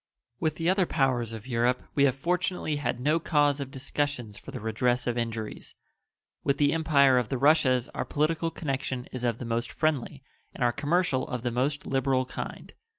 With the other powers of Europe we have fortunately had no cause of discussions for the redress of injuries. With the Empire of the Russias our political connection is of the most friendly and our commercial of the most liberal kind.